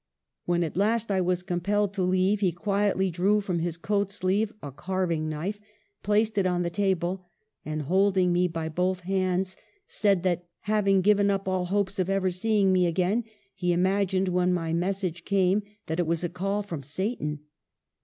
" When at last I was compelled to leave, he quietly drew from his coat sleeve a carving knife, placed it on the table, and, holding me by both hands, said that, having given up all hopes of ever seeing me again, he imagined when my message came that it was a call from Satan.